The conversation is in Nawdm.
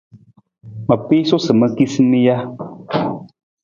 Ma piisu sa ma kiisa mi ja?